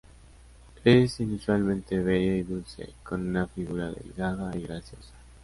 Es inusualmente bella y dulce, con una figura delgada y graciosa.